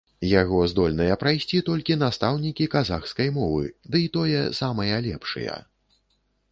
Яго здольныя прайсці толькі настаўнікі казахскай мовы, дый тое самыя лепшыя.